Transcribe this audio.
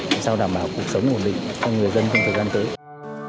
làm sao đảm bảo cuộc sống ổn định cho người dân trong thời gian tới